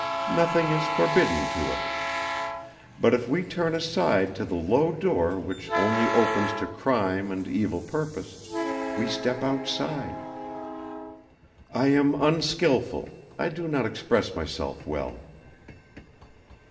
Nothing is forbidden to us. But if we turn aside to the low door which only opens to crime and evil purpose, we step outside. I am unskilful; I do not express myself well."